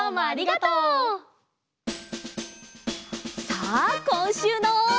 さあこんしゅうの。